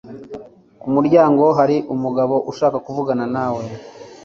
ku muryango hari umugabo ushaka kuvugana nawe